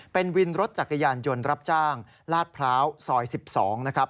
เป็นวินรถจักรยานยนต์รับจ้างลาดพร้าวซอย๑๒นะครับ